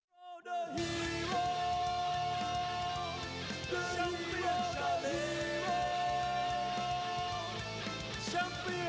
โปรดติดตามต่อไป